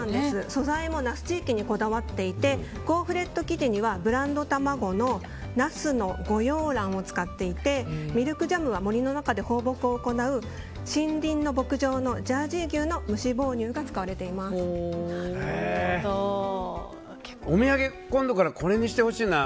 素材も那須地域にこだわっていてゴーフレット生地にはブランド卵の那須御養卵を使っていてミルクジャムは森の中で放牧を行う森林ノ牧場のジャージー牛の無脂肪乳がお土産今度からこれにしてほしいな。